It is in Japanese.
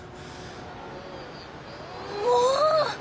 もう！